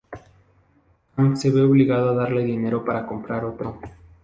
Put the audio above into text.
Hank se ve obligado a darle dinero para comprar otro.